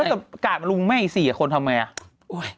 สมมุติว่าจะกาดลุงแม่อีก๔คนทำไมล่ะ